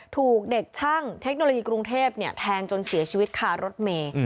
ถูกเด็กช่างเทคโนโลยีกรุงเทพแทงจนเสียชีวิตคารถเมย์